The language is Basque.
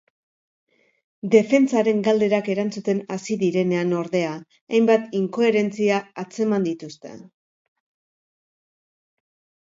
Defentsaren galderak erantzuten hasi direnean, ordea, hainbat inkoherentzia atzeman dituzte.